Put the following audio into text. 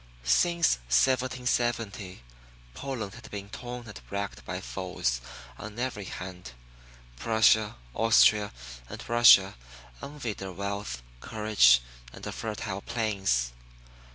Since 1770, Poland had been torn and racked by foes on every hand. Prussia, Austria and Russia envied her wealth, courage, and her fertile plains.